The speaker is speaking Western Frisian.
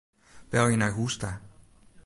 Belje nei hûs ta.